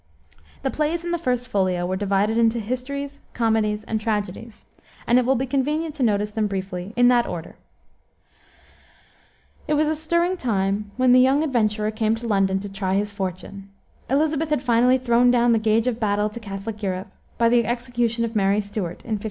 The plays in the First Folio were divided into histories, comedies, and tragedies, and it will be convenient to notice them briefly in that order. It was a stirring time when the young adventurer came to London to try his fortune. Elisabeth had finally thrown down the gage of battle to Catholic Europe, by the execution of Mary Stuart, in 1587.